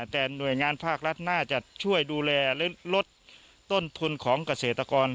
แต่หน่วยงานภาครัฐน่าจะช่วยดูแลและลดต้นทุนของเกษตรกร